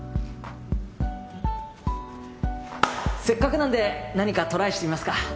せっかくなんで何かトライしてみますか？